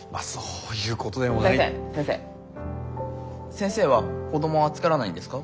先生は子どもは作らないんですか？